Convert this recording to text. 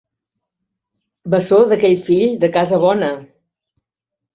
Bessó d'aquell fill de casa bona!